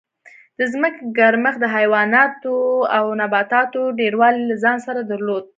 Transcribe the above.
د ځمکې ګرمښت د حیواناتو او نباتاتو ډېروالی له ځان سره درلود